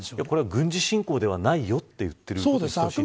これは軍事侵攻ではないよと言ってるんですか。